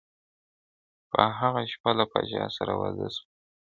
په هغه شپه له پاچا سره واده سوه!